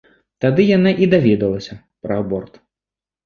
Тады яна і даведалася пра аборт.